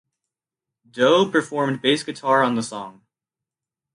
Doe performed bass guitar on the song.